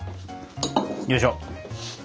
よいしょ。